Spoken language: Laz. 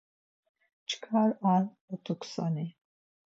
Çkar ar mutuksani...